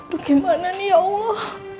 aduh gimana nih ya allah